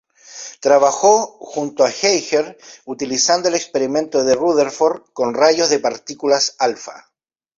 Trabajó junto a Geiger, utilizando el experimento de Rutherford con rayos de partículas alfa.